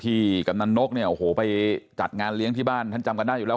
กำนันนกเนี่ยโอ้โหไปจัดงานเลี้ยงที่บ้านท่านจำกันได้อยู่แล้ว